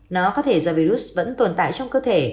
nó có thể do virus vẫn tồn tại trong cơ thể